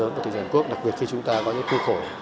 của thị trường hàn quốc đặc biệt khi chúng ta có những khu khổ